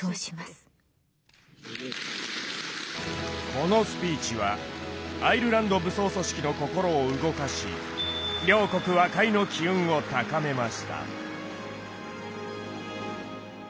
このスピーチはアイルランド武装組織の心を動かし両国和解の機運を高めました。